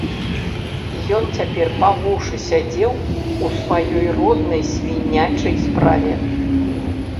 Ён цяпер па вушы сядзеў у сваёй роднай свінячай справе.